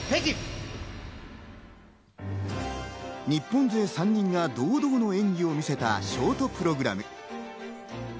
日本勢３人が堂々の演技を見せたショートプログラム。